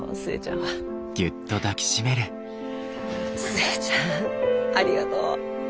寿恵ちゃんありがとう！